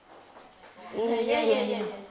いやいやいやいや。